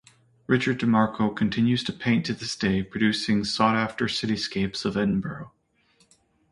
Richard Demarco continues to paint to this day producing sought after cityscapes of Edinburgh.